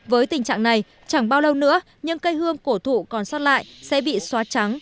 với tình trạng này chẳng bao lâu nữa những cây hương cổ thụ còn xót lại sẽ bị xóa trắng